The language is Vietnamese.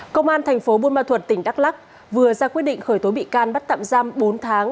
công an thành phố buôn ma thuật tỉnh đắk lắc vừa ra quyết định khởi tố bị can bắt tạm giam bốn tháng